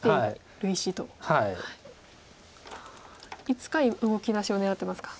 いつか動きだしを狙ってますか。